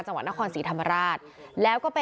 จังหวัดนครศรีธรรมราช